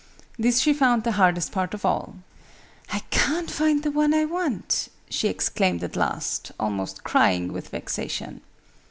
This she found the hardest part of all. "I can't find the one I want!" she exclaimed at last, almost crying with vexation.